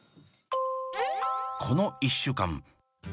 この１週間。